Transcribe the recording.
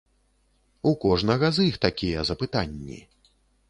У кожнага з іх такія запытанні.